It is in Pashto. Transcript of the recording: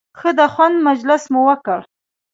ښه د خوند مجلس مو وکړ.